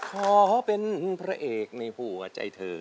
ขอเป็นพระเอกในหัวใจเธอ